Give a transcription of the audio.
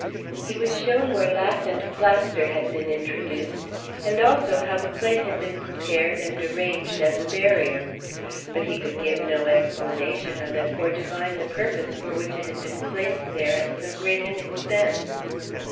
He was shown where lath and plaster had been introduced and also how the plate had been prepared and arranged as a barrier. But he could give no explanation of it or divine the purpose for which it had been placed there at so great an expense.